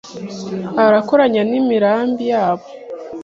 Arakoranya n'imirambi yabo